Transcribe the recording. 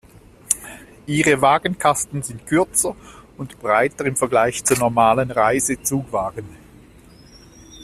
Ihre Wagenkasten sind kürzer und breiter im Vergleich zu normalen Reisezugwagen.